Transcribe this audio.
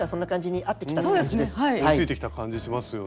追いついてきた感じがしますよね。